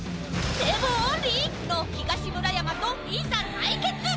堤防オンリー？の東村山と、いざ対決。